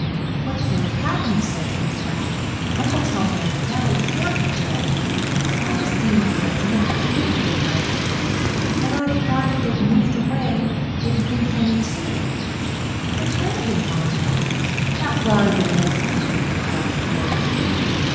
"What can have happened?" he said to himself. "Uncle Tom and Aunt Sally can't be dead I'd have seen their deaths in the paper if they was. And I'd a thought if they'd moved away it'd been printed too. They can't have been gone long that flower bed must have been made up last spring.